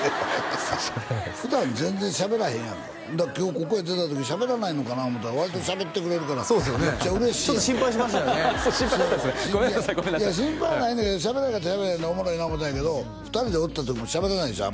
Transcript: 普段全然しゃべらへんやんかだから今日ここへ出た時しゃべらないのかなと思うたら割としゃべってくれるからめっちゃ嬉しいやんちょっと心配しましたよね心配だったんですねごめんなさいごめんなさい心配はないねんけどしゃべらへんならしゃべらへんでおもろいな思うてたんやけど２人でおった時もしゃべらないでしょ